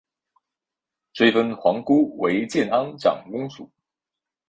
追封皇姑为建安长公主。